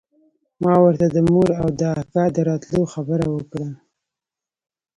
ما ورته د مور او د اکا د راتلو خبره وکړه.